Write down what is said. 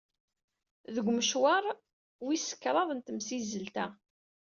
Deg umecwar wis kraḍ n temsizzelt-a.